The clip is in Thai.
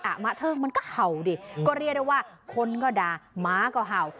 อ่ะมาเถอะมันก็เห่าดิก็เรียกได้ว่าคนก็ด่าหมาก็เห่า